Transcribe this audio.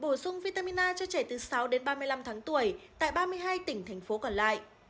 bổ sung vitamin a cho trẻ từ sáu đến ba mươi năm tháng tuổi tại ba mươi hai tỉnh thành phố còn lại